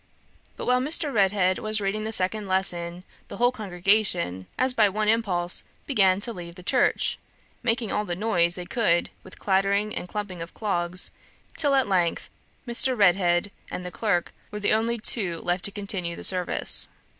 But while Mr. Redhead was reading the second lesson, the whole congregation, as by one impulse, began to leave the church, making all the noise they could with clattering and clumping of clogs, till, at length, Mr. Redhead and the clerk were the only two left to continue the service.